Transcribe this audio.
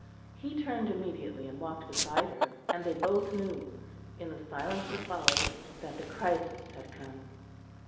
He turned immediately and walked beside her, and they both knew, in the silence that followed, that the crisis had come.